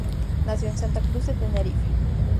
Nació en Santa Cruz de Tenerife.